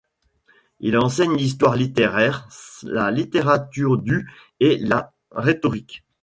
Il enseigne l'histoire littéraire, la littérature du et la rhétorique.